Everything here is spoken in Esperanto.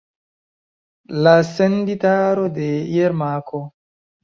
La senditaro de Jermako.